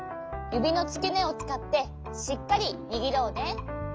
ゆびのつけねをつかってしっかりにぎろうね。